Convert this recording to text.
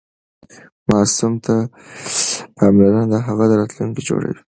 ماسوم ته پاملرنه د هغه راتلونکی جوړوي.